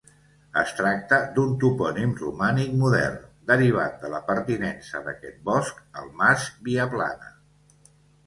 Es tracta d'un topònim romànic modern, derivat de la pertinença d'aquest bosc al mas Viaplana.